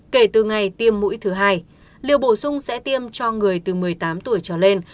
kể từ ngày tiêm mũi thứ hai liệu bổ sung sẽ tiêm cho người từ một mươi tám tuổi trở lên